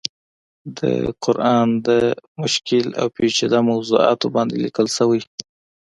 د قرآن د مشکل او پيچيده موضوعاتو باندې ليکلی شوی